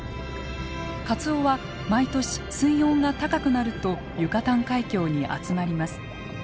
カツオは毎年水温が高くなるとユカタン海峡に集まります。